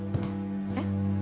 えっ？